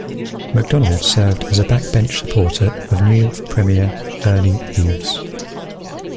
McDonald served as a backbench supporter of new Premier Ernie Eves.